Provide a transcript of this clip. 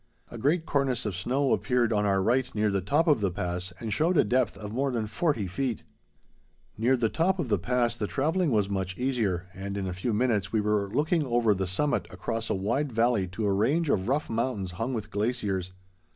A great cornice of snow appeared on our right near the top of the pass and showed a depth of more than forty feet. [Illustration: APPROACHING THE PASS.] Near the top of the pass the travelling was much easier, and in a few minutes we were looking over the summit across a wide valley to a range of rough mountains hung with glaciers.